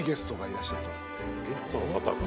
ゲストの方が？